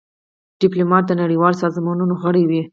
ډيپلومات د نړېوالو سازمانونو غړی وي.